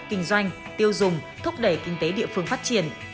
kinh doanh tiêu dùng thúc đẩy kinh tế địa phương phát triển